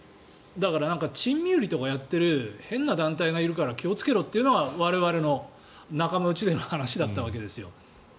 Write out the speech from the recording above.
だから、珍味売りとかやってる変な団体がいるから気をつけろというのが我々の仲間内での話だったわけですよ。